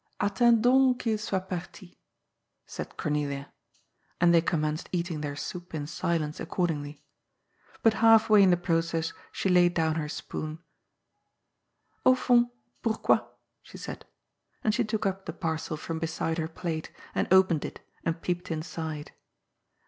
'^ Attendons qu'il soit parti," said Cornelia. And they commenced eating their soup in silence accordingly. But half way in the process she laid down her spoon. '^ Au fond, pourquoi?" she said. And she took up the parcel from beside her plate, and opened it, and peeped inside.